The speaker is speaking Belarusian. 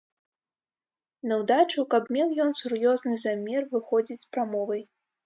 Наўдачу, каб меў ён сур'ёзны замер выходзіць з прамовай.